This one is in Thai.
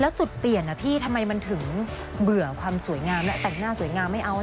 แล้วจุดเปลี่ยนพี่ทำไมมันถึงเบื่อความสวยงามแล้วแต่งหน้าสวยงามไม่เอา